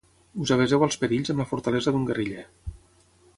Us aveseu als perills amb la fortalesa d'un guerriller.